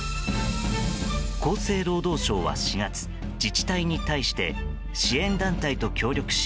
厚生労働省は４月自治体に対して支援団体と協力し